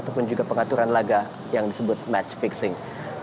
ataupun juga pengaturan laga yang disebut match fixing